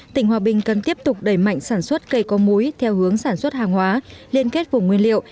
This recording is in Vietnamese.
tỉnh hòa bình cần tiếp tục đẩy mạnh sản xuất cây có múi theo hướng sản xuất hàng hóa liên kết vùng nguyên liệu